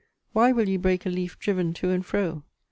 Why will ye break a leaf driven to and fro?